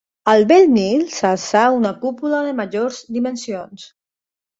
Al bell mig s'alça una cúpula de majors dimensions.